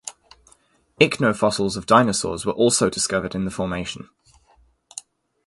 Ichnofossils of dinosaurs were also discovered in the formation.